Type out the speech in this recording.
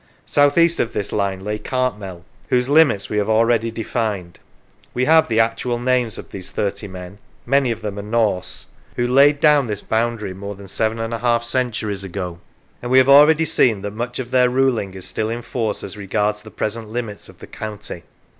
South east of this line lay Cartmel, whose limits we have already defined. We have the actual names of these thirty men many of them are Norse 10 Boundaries who laid down this boundary more than seven and a half centuries ago, and we have already seen that much of their ruling is still in force as regards the present limits of the county.